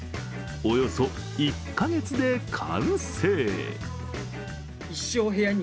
およそ１カ月で完成。